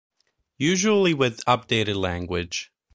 Usually with updated language.